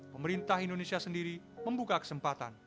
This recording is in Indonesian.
pemerintah indonesia sendiri membuka kesempatan